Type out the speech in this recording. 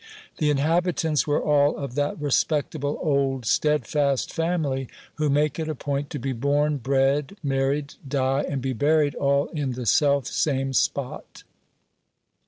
The inhabitants were all of that respectable old standfast family who make it a point to be born, bred, married, die, and be buried all in the selfsame spot.